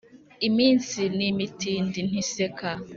Iminsi ni imitindi nti seka